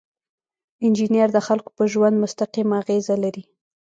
انجینر د خلکو په ژوند مستقیمه اغیزه لري.